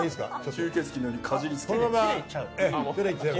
吸血鬼のようにかじりつけ。